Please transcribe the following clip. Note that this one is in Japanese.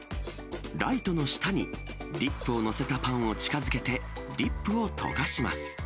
ライトの下に、ディップを載せたパンを近づけて、ディップを溶かします。